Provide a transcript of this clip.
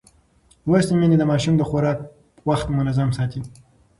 لوستې میندې د ماشوم د خوراک وخت منظم ساتي.